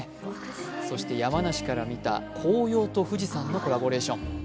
そして山梨から見た紅葉と富士山のコラボレーション。